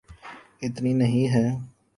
اتنی نہیں ہے۔